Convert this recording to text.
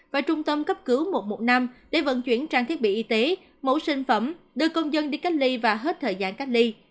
và trung tâm cấp cứu một trăm một mươi năm để vận chuyển trang thiết bị y tế mẫu sinh phẩm đưa công dân đi cách ly và hết thời gian cách ly